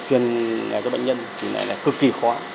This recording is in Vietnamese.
chuyên nghề cho bệnh nhân thì lại là cực kỳ khó